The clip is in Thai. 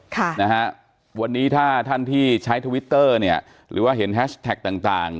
แต่วันนี้ท่านที่ใช้ทวิตเตอร์หรือว่าเห็นแฮชแทคต่าง